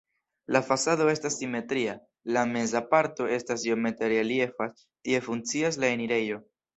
La fasado estas simetria, la meza parto estas iomete reliefas, tie funkcias la enirejo.